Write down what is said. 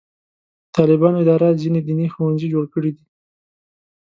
د طالبانو اداره ځینې دیني ښوونځي جوړ کړي دي.